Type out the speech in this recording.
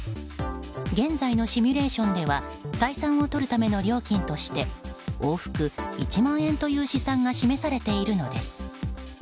現在のシミュレーションでは採算をとるための料金として往復１万円という試算が示されているのです。